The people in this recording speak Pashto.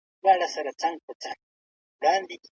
سرې میاشتې پیغام واورئ.